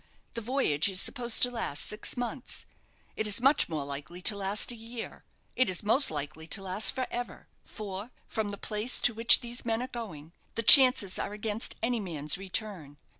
The voyage is supposed to last six months; it is much more likely to last a year; it is most likely to last for ever for, from the place to which these men are going, the chances are against any man's return.